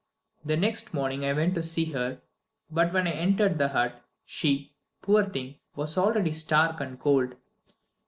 "The next morning I went to see her, but when I entered the hut, she, poor thing, was already stark and cold.